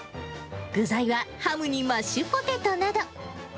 具材はハムにマッシュポテトなど。